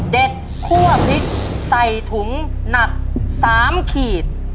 คั่วพริกใส่ถุงหนัก๓ขีด